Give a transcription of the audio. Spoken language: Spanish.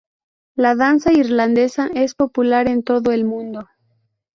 La danza irlandesa es popular en todo el mundo.